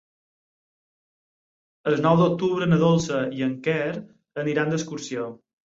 El nou d'octubre na Dolça i en Quer aniran d'excursió.